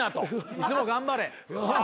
いつも頑張れ。